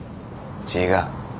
違う。